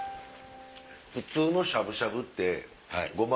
普通のしゃぶしゃぶごま